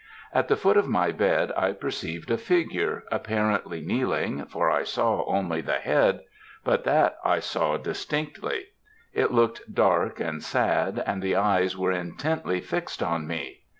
At the foot of my bed I perceived a figure, apparently kneeling, for I saw only the head but that I saw distinctly it looked dark and sad, and the eyes were intently fixed on me.